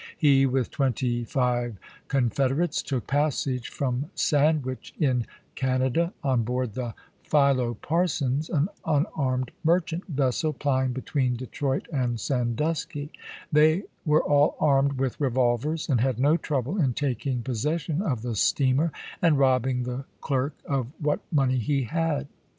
He, with twenty five Confederates, took passage from Sandwich, in Canada, on board the Philo Parsons, an unarmed merchant vessel plying between Detroit and San dusky ; they were all armed with revolvers, and had no trouble in taking possession of the steamer and robbing the clerk of what money he had.